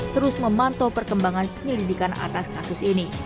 terus memantau perkembangan penyelidikan atas kasus ini